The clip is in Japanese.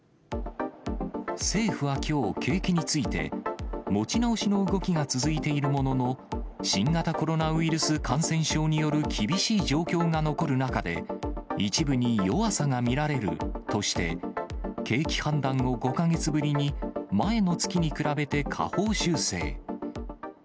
政府はきょう、景気について、持ち直しの動きが続いているものの、新型コロナウイルス感染症による厳しい状況が残る中で、一部に弱さが見られるとして、景気判断を５か月ぶりに前の月に比べて下方修正。